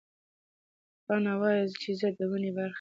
پاڼه وایي چې زه د ونې برخه یم.